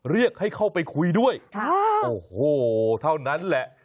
เรียกให้เข้าไปคุยด้วยโอ้โหเท่านั้นแหละ